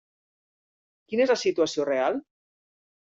Quina és la situació real?